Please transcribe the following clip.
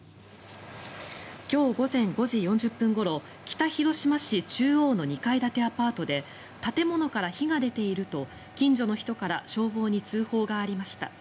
今日午前５時４０分ごろ北広島市中央の２階建てアパートで建物から火が出ていると近所の人から消防に通報がありました。